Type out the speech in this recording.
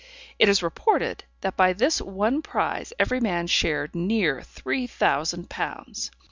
It is reported, that by this one prize every man shared near three thousand pounds.